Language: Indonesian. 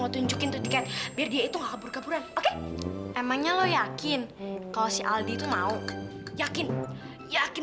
ngendong seseorang menggunakan titik biasa kalau ada bun skincare